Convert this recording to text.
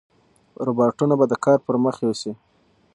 روباټونه به کار پرمخ یوسي.